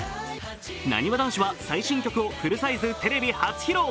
なにわ男子は最新曲をフルサイズテレビ初披露。